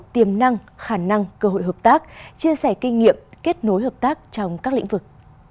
tiềm năng khả năng cơ hội hợp tác chia sẻ kinh nghiệm kết nối hợp tác trong các lĩnh vực